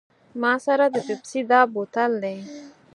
ما سره د پیپسي دا بوتل دی.